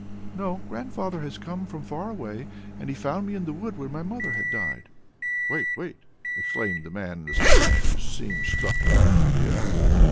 "No. Grandfather has come from far away, and he found me in the wood, when my mother had died." "Wait, wait," exclaimed the man in the sledge, who seemed struck with a new idea.